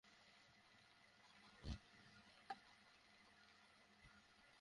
এতে অচিরেই খুব সাধারণ সংক্রমণ, সামান্য কাটাছেঁড়া থেকে মৃত্যু হবে মানুষের।